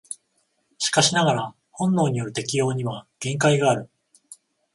しかしながら本能による適応には限界がある。